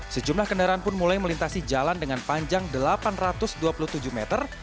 sejumlah kendaraan pun mulai melintasi jalan dengan panjang delapan ratus dua puluh tujuh meter